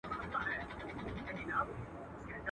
o ځيرک ښکاري په يوه ټک دوه نښانه ولي.